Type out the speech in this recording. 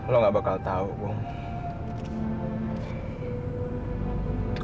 lo gak bakal tau bong